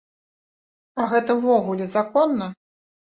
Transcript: А гэта ўвогуле законна?